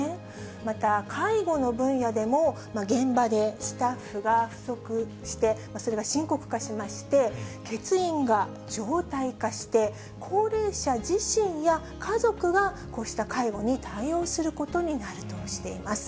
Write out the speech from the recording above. また介護の分野でも、現場でスタッフが不足して、それが深刻化しまして、欠員が常態化して、高齢者自身や家族がこうした介護に対応することになるとしています。